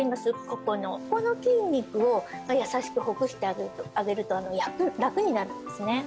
ここのこの筋肉を優しくほぐしてあげると楽になるんですね